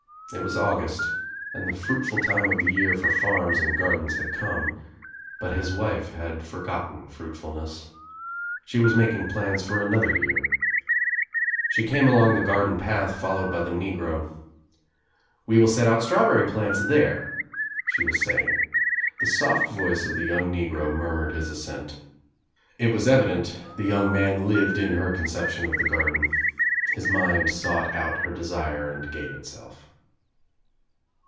It was August and the fruitful time of the year for farms and gardens had come, but his wife had forgotten fruitful ness. She was making plans for another year. She 224 THE TRIUMPH OF THE EGG came along the garden path followed by the negra^ "We will set out strawberry plants there," she ww saying. The soft voice of the young negro mur mured his assent. It was evident the young maa lived in her conception of the garden. His mind sought out her desire and gave itself.